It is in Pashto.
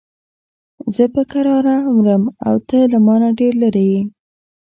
زه په کراره مرم او ته له مانه ډېر لرې یې.